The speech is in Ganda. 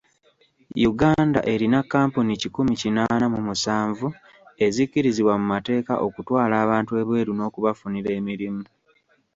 Uganda erina kkampuni kikumi kinaana mu musanvu ezikkirizibwa mu mateeka okutwala abantu ebweru n'okubafunira emirimu.